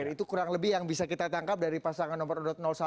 itu kurang lebih yang bisa kita tangkap dari pasangan nomor urut satu